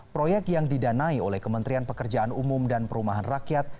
proyek yang didanai oleh kementerian pekerjaan umum dan perumahan rakyat